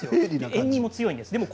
塩味も強いんです。